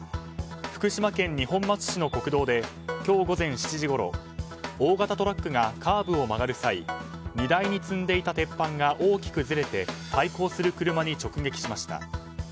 福島県二本松市の国道で今日午前７時ごろ大型トラックがカーブを曲がる際荷台に積んでいた鉄板が大きくずれて対向する車に直撃しました。